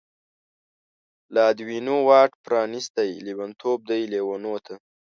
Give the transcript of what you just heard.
لادوینو واټ پرانستی، لیونتوب دی لیونو ته